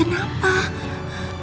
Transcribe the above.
aku mau pamit